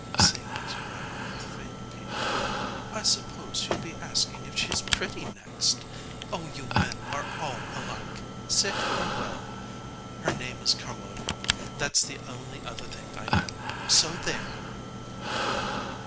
(Seeing his grin with feigned pique} I suppose you ll be asking if she s pretty next ! Oh, you men are all alike, sick or well. Her name is Carmody, that s the only other thing I know. So there